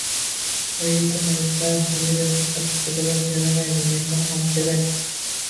U yetim, azizam Yuliya… Faqat jazolash yaramaydi, mehr ham kerak.